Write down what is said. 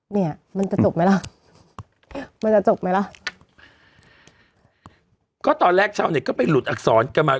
เนี่ยมันจะจบไหมล่ะมันจะจบไหมล่ะก็ตอนแรกชาวเน็ตก็ไปหลุดอักษรกันมา